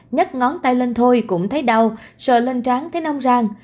nhất ngón tay lên thôi cũng thấy đau sợ lên trán thấy nong rang